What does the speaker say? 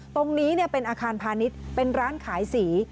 ตรงนี้เป็นอาคารพาณิชย์เป็นร้านขายสี